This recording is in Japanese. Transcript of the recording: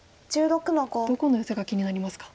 どこのヨセが気になりますか？